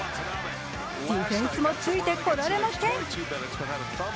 ディフェンスもついてこれません。